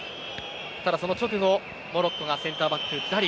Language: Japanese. その直後、モロッコがセンターバック、ダリ。